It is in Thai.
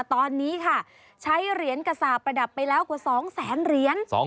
ตอนนี้ค่ะใช้เหรียญกระสาประดับไปแล้วกว่า๒แสนเหรียญ